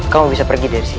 kamu bisa pergi dari sini